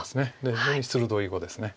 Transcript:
非常に鋭い碁です。